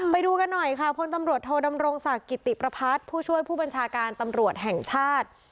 ไปดูกันหน่อยค่ะพลตำรวจโทดำรงศักดิ์กิติประพัฒน์ผู้ช่วยผู้บัญชาการตำรวจแห่งชาติ